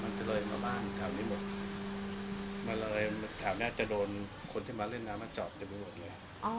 มันก็เลยมาบ้านแถวนี้หมดมันเลยแถวนั้นจะโดนคนที่มาเล่นน้ำมาจอดเต็มไปหมดเลย